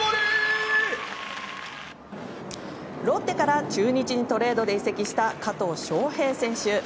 ロッテから中日にトレードで移籍した加藤翔平選手。